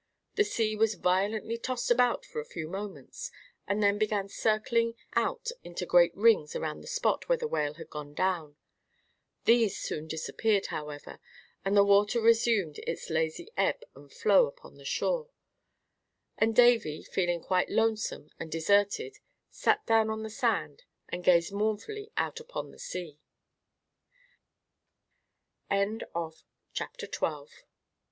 The sea was violently tossed about for a few moments, and then began circling out into great rings around the spot where the Whale had gone down. These soon disappeared, however, and the water resumed its lazy ebb and flow upon the shore; and Davy, feeling quite lonesome and deserted, sat down on the sand, and gazed mou